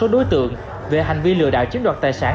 đối tượng về hành vi lừa đạo chiếm đoạt tài sản